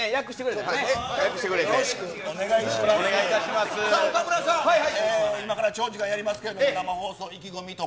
さあ、岡村さん、今から長時間やりますけれども、生放送、意気込みとか。